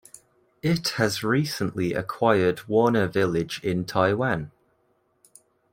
It has recently acquired Warner Village in Taiwan.